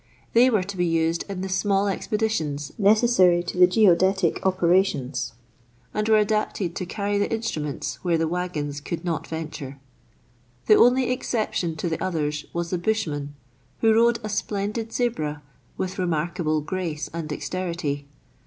They were to be used in the smaller expeditions necessary to the geodetic opera tions, and were adapted to carry the instruments where the waggons could not venture. The only exception to the others was the bushman, who rode a splendid zebra with remarkable grace and dexterity.